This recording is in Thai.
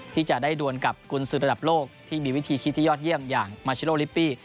ที่จะได้ดวนกับกุญสือระดับโลกที่มีวิธีคิดที่ยอดเยี่ยมอย่างมาชิโลลิปปี้